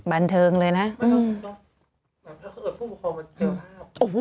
มันก็ถ้าเขาเกิดผู้ผู้คอมาเจอแบบโอ้หู